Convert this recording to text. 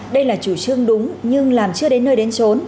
đây là chủ trương đúng nhưng làm chưa đến nơi đến trốn